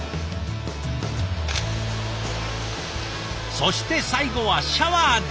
そして最後はシャワーで。